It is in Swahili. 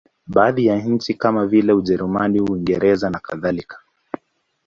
Baadhi ya nchi kama vile Ujerumani, Uingereza nakadhalika.